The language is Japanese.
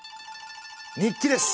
日記です！